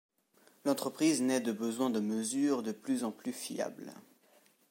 L'entreprise naît du besoin de mesures de plus en plus fiables.